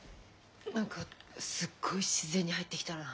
何かすっごい自然に入ってきたな。